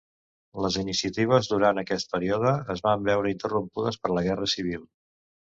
Les iniciatives durant aquest període es van veure interrompudes per la Guerra Civil.